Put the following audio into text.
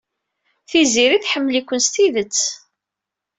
Tiziri tḥemmel-iken s tidet.